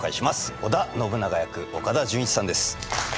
織田信長役岡田准一さんです。